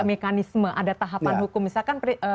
mekanisme ada tahapan hukum misalkan